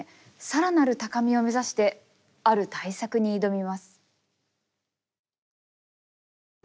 更なる高みを目指してある大作に挑みます。